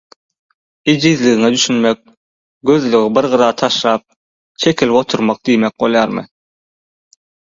Ejizligiňe düşünmek gözlegi bir gyra taşlap çekilip oturmak diýmek bolýarmy?